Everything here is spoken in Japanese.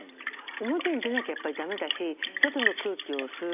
表に出なきゃやっぱりだめだし外の空気を吸う。